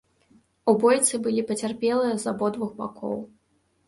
У бойцы былі пацярпелыя з абодвух бакоў.